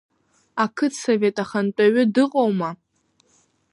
Ақыҭсовет ахантәаҩы дыҟоума?